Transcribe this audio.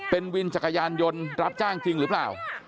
เป็นวินจักรยานยนต์รับจ้างจริงหรือเปล่า